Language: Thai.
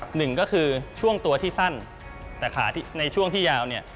หนึ่งก็คือช่วงตัวที่สั้นแต่ขาในช่วงที่ยาวเนี่ย